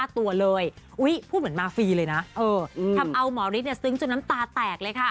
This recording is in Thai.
ตัวเลยอุ้ยพูดเหมือนมาฟรีเลยนะเอออืมทำเอาหมอฤทธิ์เนี้ยซึ้งจนน้ำตาแตกเลยค่ะ